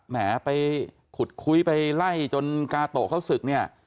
แหมไปขุดคุยไปไล่จนกาโตะเขาศึกเนี่ย